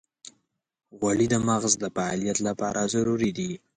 غوړې د مغز د فعالیت لپاره ضروري دي.